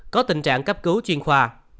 có tình trạng cấp cứu chuyên khoa